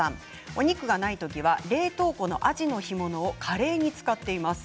お肉がない時は冷凍庫のあじの干物をカレーに使っています。